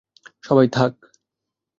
সবাই, থাক!